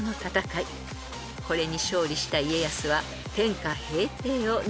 ［これに勝利した家康は］